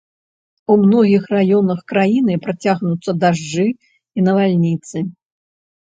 У многіх раёнах краіны працягнуцца дажджы і навальніцы.